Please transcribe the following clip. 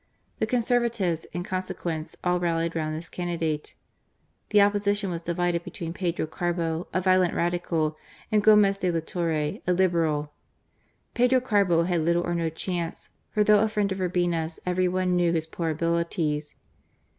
The Conservatives, in consequence^ all rallied round this candidate. The Opposition was divided between Pedro Carbo, a violent Radical, and Gomez de la Torre, a Liberal. Pedro Carbo had little or no chance, for though a friend of Urbina*s, every one knew his poor abilities.